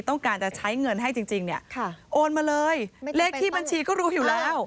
ต้องการจะใช้เงินให้จริงเนี่ยโอนมาเลยเลขที่บัญชีก็รู้อยู่แล้ว